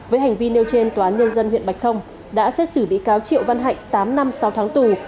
với hành vi nêu trên tòa án nhân dân huyện bạch thông đã xét xử bị cáo triệu văn hạnh tám năm sáu tháng tù